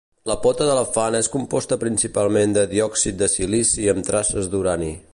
La pota d'elefant és composta principalment de diòxid de silici amb traces d'urani.